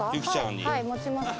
はい持ちますか。